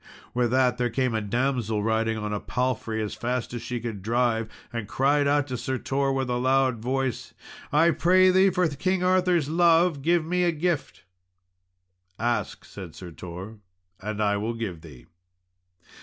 With that there came a damsel riding on a palfrey, as fast as she could drive, and cried out to Sir Tor with a loud voice, "I pray thee, for King Arthur's love, give me a gift." "Ask," said Sir Tor, "and I will give thee."